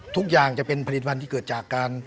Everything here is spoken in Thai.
ทุกอย่างจะเป็นผลิตภัณฑ์ที่เกิดจากการ